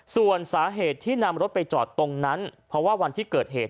ส่วนสาเหตุที่นำรถไปจอดตรงนั้นเพราะว่าวันที่เกิดเหตุ